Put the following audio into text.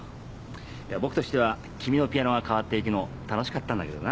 いや僕としては君のピアノが変わっていくの楽しかったんだけどな。